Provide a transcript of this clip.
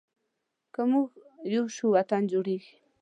که مونږ یو شو، وطن جوړیږي.